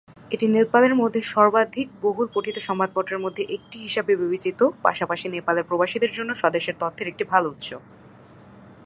এটি নেপালের মধ্যে সর্বাধিক বহুল পঠিত সংবাদপত্রের মধ্যে একটি হিসাবে বিবেচিত, পাশাপাশি নেপালি প্রবাসীদের জন্য স্বদেশের তথ্যের একটি ভাল উৎস।